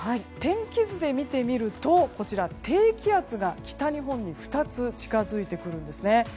天気図で見てみると、低気圧が北日本に２つ近づいてくるんですね。